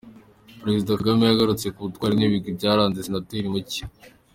Perezida Kagame yagarutse ku butwari n’ibigwi byaranze Senateri Mucyo .